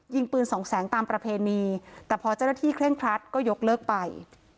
ยิงปืนสองแสงตามประเพณีแต่พอเจ้าหน้าที่เคร่งครัดก็ยกเลิกไป